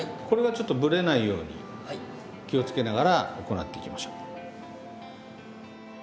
これがちょっとブレないように気をつけながら行っていきましょう。